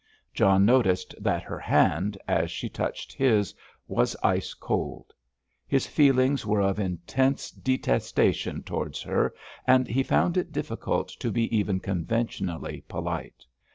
John noticed that her hand, as she touched his, was ice cold. His feelings were of intense detestation towards her, and he found it difficult to be even conventionally polite.